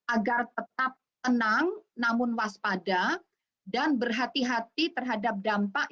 agar tetap tenang namun waspada dan berhati hati terhadap dampak